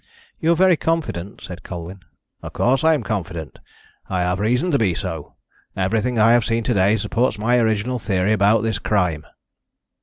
"You are very confident," said Colwyn. "Of course I am confident. I have reason to be so. Everything I have seen to day supports my original theory about this crime."